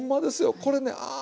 これねあ